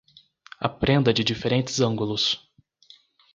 Aprenda de diferentes ângulos